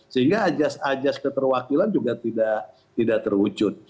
sehingga ajas ajas keterwakilan juga tidak terwujud